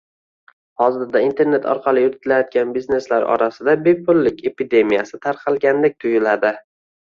Hozirda internet orqali yuritilayotgan bizneslar orasida bepullik epidemiyasi tarqalgandek tuyuladi